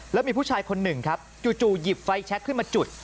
แล้วมีผู้ชายคนหนึ่งครับจู่หยิบไฟแชคขึ้นมาจุด